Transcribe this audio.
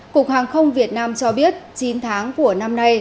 cục hàng không việt nam cho biết chín tháng của năm nay